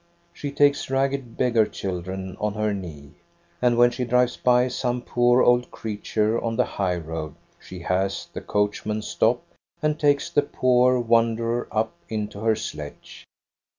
She takes ragged beggar children on her knee, and when she drives by some poor old creature on the high road she has the coachman stop, and takes the poor, wanderer up into her sledge.